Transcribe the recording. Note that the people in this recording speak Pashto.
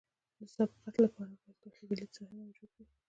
د سبقت لپاره باید کافي د لید ساحه موجوده وي